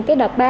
cái đợt ba là